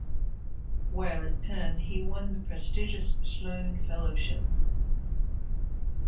While at Penn, he won the prestigious Sloan Fellowship.